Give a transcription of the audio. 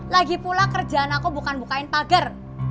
lagipula kerjaan aku bukan bukain pagar